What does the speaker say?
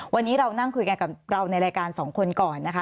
วันนี้เรานั่งคุยกันกับเราในรายการสองคนก่อนนะคะ